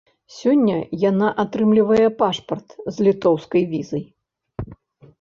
Сёння яна атрымлівае пашпарт з літоўскай візай.